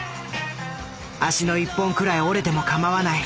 「足の一本くらい折れてもかまわない」。